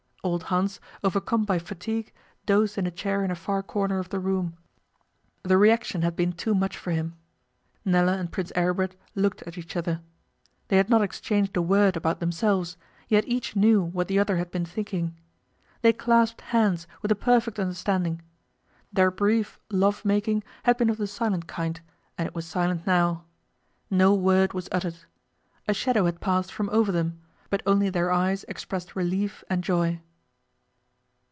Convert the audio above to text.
Old Hans, overcome by fatigue, dozed in a chair in a far corner of the room. The reaction had been too much for him. Nella and Prince Aribert looked at each other. They had not exchanged a word about themselves, yet each knew what the other had been thinking. They clasped hands with a perfect understanding. Their brief love making had been of the silent kind, and it was silent now. No word was uttered. A shadow had passed from over them, but only their eyes expressed relief and joy.